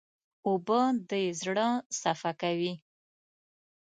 اوبه د زړه صفا کوي.